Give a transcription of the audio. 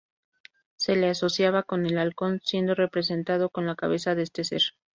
Se le asociaba con el halcón, siendo representado con la cabeza de este ser.